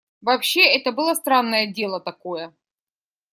Вообще это было странное дело такое.